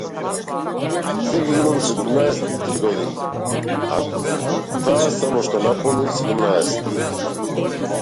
Сега имам седумдесет и три години, а таа само што наполни седумдесет.